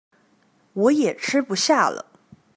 我也吃不下了